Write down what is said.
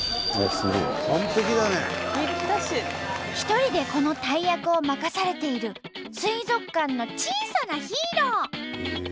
一人でこの大役を任されている水族館の小さなヒーロー！